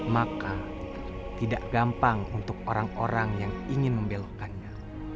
maka tidak gampang untuk orang orang yang ingin membelohkannya